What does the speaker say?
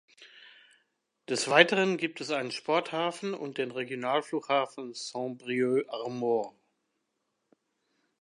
Des Weiteren gibt es einen Sporthafen und den Regionalflughafen Saint Brieuc–Armor.